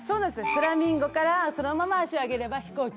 フラミンゴからそのまま足を上げれば飛行機。